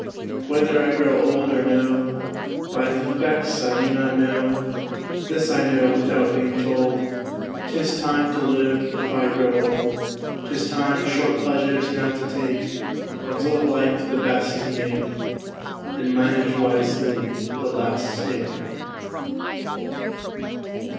Whether I grow old or no, By th' effects I do not know; This I know, without being told, 'Tis time to live, if I grow old; 'Tis time short pleasures now to take, Of little life the best to make, And manage wisely the last stake.